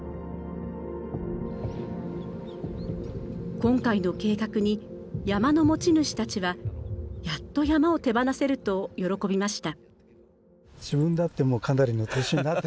今回の計画に山の持ち主たちはやっと山を手放せると喜びました。